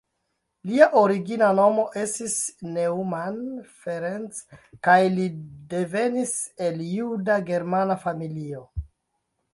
Lia origina nomo estis Neumann Ferenc kaj li devenis el juda-germana familio.